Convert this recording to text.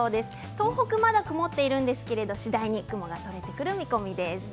東北は、まだ曇っているんですが次第に晴れてくる見込みです。